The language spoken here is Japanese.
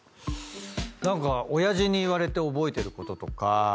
何か親父に言われて覚えてることとか。